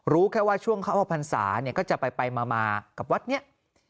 รู้แค่ว่าช่วงเข้าออกพรรษาเนี่ยก็จะไปมากับวัดนี้